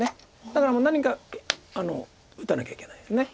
だから何か打たなきゃいけないです。